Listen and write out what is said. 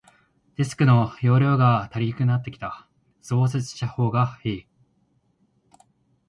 ディスクの容量が足りなくなってきた、増設したほうがいい。